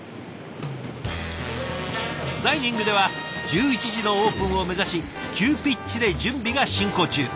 ダイニングでは１１時のオープンを目指し急ピッチで準備が進行中。